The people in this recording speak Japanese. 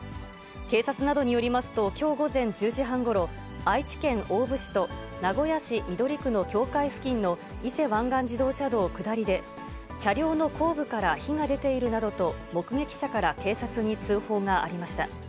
警察などによりますと、きょう午前１０時半ごろ、愛知県大府市と名古屋市緑区の境界付近の伊勢湾岸自動車道下りで、車両の後部から火が出ているなどと、目撃者から警察に通報がありました。